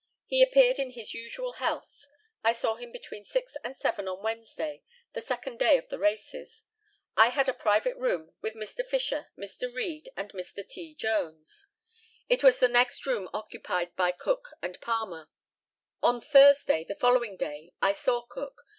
He appeared in his usual health. I saw him between six and seven on Wednesday, the second day of the races. I had a private room, with Mr. Fisher, Mr. Reed, and Mr. T. Jones. It was next the room occupied by Cook and Palmer. On Thursday (the following day) I saw Cook.